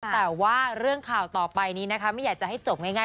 แต่ว่าเรื่องข่าวต่อไปนี้นะคะไม่อยากจะให้จบง่าย